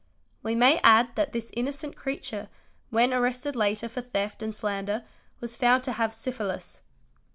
We may add that this innocent creature. when arrested later for theft and slander was found to have syphilis.